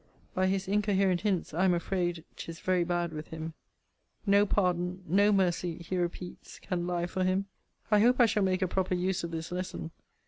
By his incoherent hints, I am afraid 'tis very bad with him. No pardon, no mercy, he repeats, can lie for him! I hope I shall make a proper use of this lesson.